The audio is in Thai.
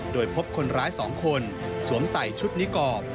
โดยพบคนร้าย๒คนสวมใส่ชุดนิกรอบ